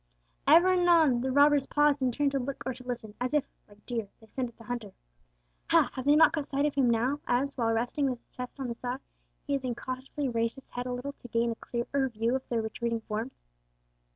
Ever and anon the robbers paused and turned to look or to listen, as if, like deer, they scented the hunter. Ha! have they not caught sight of him now, as, while resting his chest on the sod, he has incautiously raised his head a little to gain a clearer view of their retreating forms?